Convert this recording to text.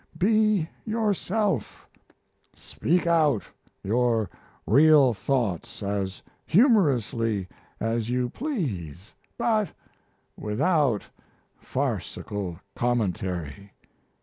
Be yourself! Speak out your real thoughts as humorously as you please, but without farcical commentary.